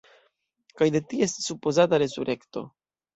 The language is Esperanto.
Kaj de ties supozata resurekto.